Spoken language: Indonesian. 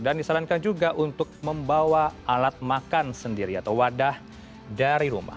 dan disarankan juga untuk membawa alat makan sendiri atau wadah dari rumah